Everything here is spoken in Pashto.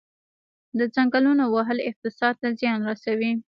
د ځنګلونو وهل اقتصاد ته زیان رسوي؟